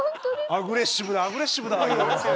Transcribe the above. アグレッシブだアグレッシブだ言われて。